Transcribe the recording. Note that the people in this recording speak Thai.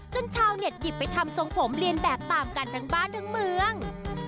ชาวเน็ตหยิบไปทำทรงผมเรียนแบบตามกันทั้งบ้านทั้งเมือง